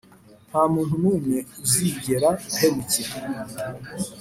nta muntu n'umwe uzigera ahemukira